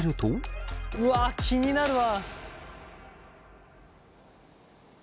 うわ気になるわ。